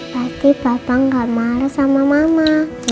berarti papa gak marah sama mama